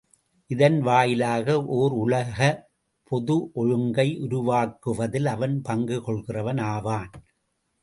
இதன் வாயிலாக ஓர் உலகப் பொது ஒழுங்கை உருவாக்குவதில் அவன் பங்கு கொள்கிறவன் ஆவான்.